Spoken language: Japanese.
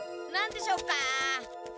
何でしょうか？